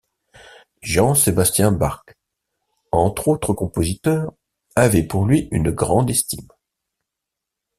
Jean-Sébastien Bach, entre autres compositeurs, avait pour lui une grande estime.